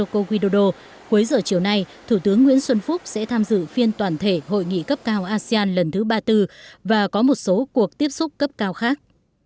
cuối giờ chiều nay thủ tướng nguyễn xuân phúc sẽ tham dự phiên toàn thể hội nghị cấp cao asean lần thứ ba mươi bốn và có một số cuộc tiếp xúc cấp cao khác